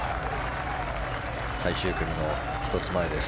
最終組の１つ前です。